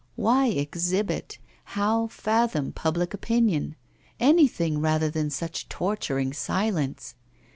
Why exhibit? How fathom public opinion? Anything rather than such torturing silence!